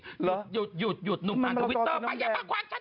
หยุดหยุดหนุ่มอ่านทวิตเตอร์ไปอย่ามาควันฉัน